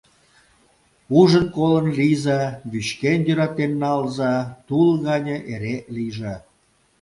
Ужын-колын лийза, вӱчкен йӧратен налза; тул гане эре лийже.